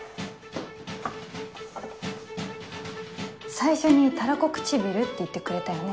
最初にタラコ唇って言ってくれたよね。